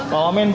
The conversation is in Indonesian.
pak wamen pak